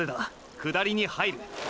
下りに入る！！